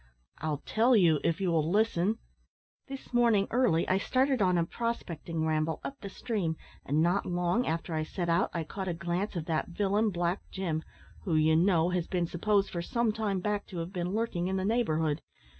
"I'll tell you, if you will listen. This morning early I started on a prospecting ramble up the stream, and not long after I set out I caught a glance of that villain Black Jim, who, you know, has been supposed for some time back to have been lurking in the neighbourhood.